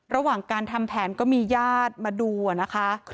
ระหว่างการทำแผนก็มีญาติมาดูนะคะ